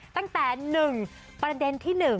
ตั้งแต่๑ประเด็นที่๑